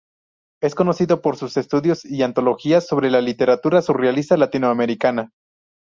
Es conocido por sus estudios y antologías sobre la literatura surrealista latinoamericana.